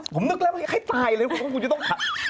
ผมนึกแล้วว่าอีกใครตายเลยคุณจะต้องถาม